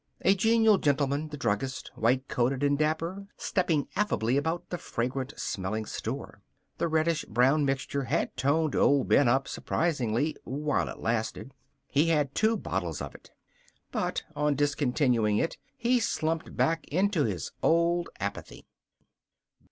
A genial gentleman, the druggist, white coated and dapper, stepping affably about the fragrant smelling store. The reddish brown mixture had toned old Ben up surprisingly while it lasted. He had two bottles of it. But on discontinuing it he slumped back into his old apathy.